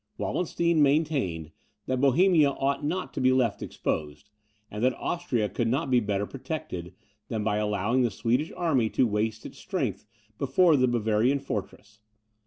Wallenstein maintained, that Bohemia ought not to be left exposed, and that Austria could not be better protected, than by allowing the Swedish army to waste its strength before the Bavarian fortress.